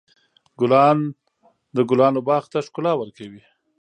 ګلان د ګلانو باغ ته ښکلا ورکوي.